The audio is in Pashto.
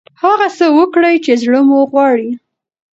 هغه څه وکړئ چې زړه مو غواړي.